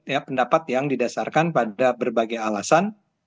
ya pendapat yang didasarkan pada berbagai alasan